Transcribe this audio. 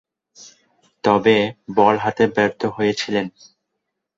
তবে, বল হাতে ব্যর্থ হয়েছিলেন।